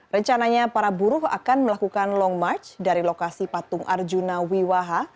rencananya para buruh akan melakukan long march dari lokasi patung arjuna wiwaha